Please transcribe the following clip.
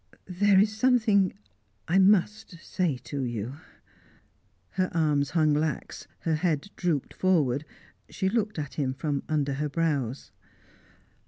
"There is something I must say to you " Her arms hung lax, her head drooped forward, she looked at him from under her brows.